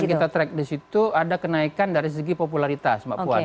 yang kita track di situ ada kenaikan dari segi popularitas mbak puan